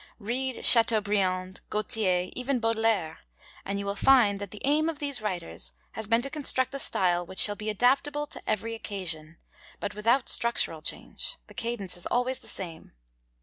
Read Chateaubriand, Gautier, even Baudelaire, and you will find that the aim of these writers has been to construct a style which shall be adaptable to every occasion, but without structural change; the cadence is always the same.